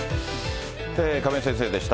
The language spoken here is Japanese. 亀井先生でした。